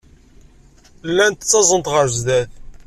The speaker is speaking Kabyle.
Llant ttaẓent ɣer sdat.